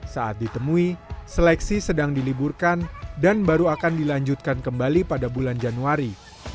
saat ditemui seleksi sedang diliburkan dan baru akan dilanjutkan kembali pada bulan januari